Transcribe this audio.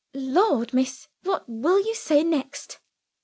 "Lord, miss, what will you say next!"